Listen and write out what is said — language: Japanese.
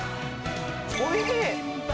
おいしい。